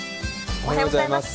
おはようございます。